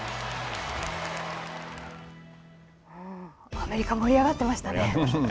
アメリカ盛り上がってましたね。